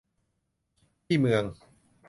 ที่เมือง